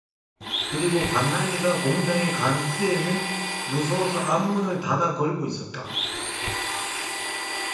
그리고 간난이가 공장에 간 후에는 무서워서 앞문을 닫아걸고 있었다.